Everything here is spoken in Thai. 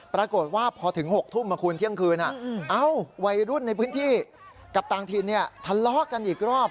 ปรากฏว่าพอถึง๖ทุ่มคุณเที่ยงคืนวัยรุ่นในพื้นที่กับต่างถิ่นทะเลาะกันอีกรอบ